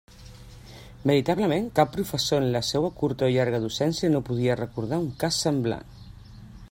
Veritablement cap professor en la seua curta o llarga docència no podia recordar un cas semblant.